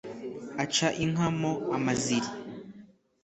Aca inka mo amaziri,